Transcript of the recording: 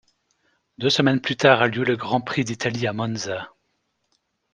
Deux semaines plus tard a lieu le Grand Prix d'Italie à Monza.